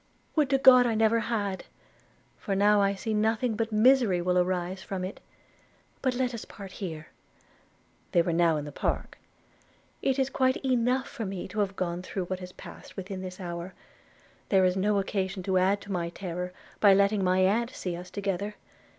'Would to God I never had! for now I see nothing but misery will arise from it. But let us part here:' (they were now in the park) 'it is quite enough for me to have gone through what has passed within this hour; there is no occasion to add to my terror, by letting my aunt see us together.